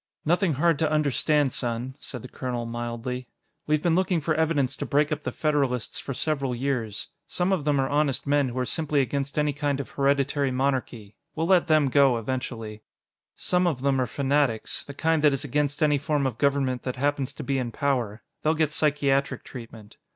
"Nothing hard to understand, son," said the colonel mildly. "We've been looking for evidence to break up the Federalists for several years. Some of them are honest men who are simply against any kind of hereditary monarchy we'll let them go eventually. Some of them are fanatics the kind that is against any form of government that happens to be in power; they'll get psychiatric treatment.